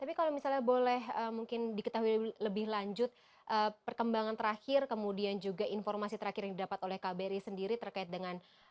tapi kalau misalnya boleh mungkin diketahui lebih lanjut perkembangan terakhir kemudian juga informasi terakhir yang didapat oleh kbri sendiri terkait dengan